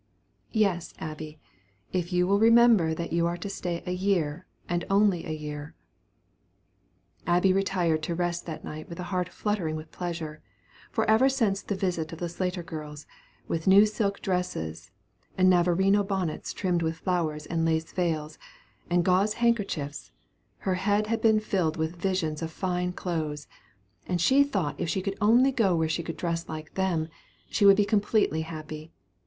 "Yes, Abby, if you will remember that you are to stay a year, and only a year." Abby retired to rest that night with a heart fluttering with pleasure; for ever since the visit of the Slater girls, with new silk dresses, and Navarino bonnets trimmed with flowers and lace veils, and gauze handkerchiefs, her head had been filled with visions of fine clothes; and she thought if she could only go where she could dress like them, she would be completely happy.